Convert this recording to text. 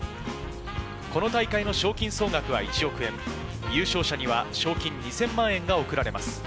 この大会の賞金総額は１億円、優勝者には賞金２０００万円が贈られます。